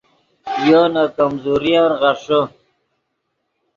یو نے کمزورین غیݰے